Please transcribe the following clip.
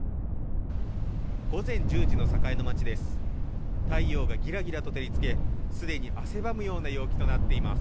午前１０時の栄の街です。